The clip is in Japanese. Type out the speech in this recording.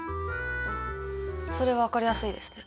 あっそれ分かりやすいですね。